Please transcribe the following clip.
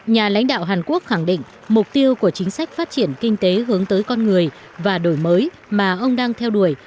nhà lãnh đạo hàn quốc khẳng định mục tiêu của chính sách phát triển kinh tế hướng tới con người và đổi mới mà ông đang theo đuổi